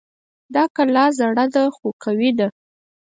دا کلا زړه ده خو قوي ده